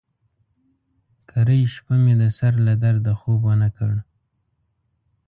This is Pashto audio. کرۍ شپه مې د سر له درده خوب ونه کړ.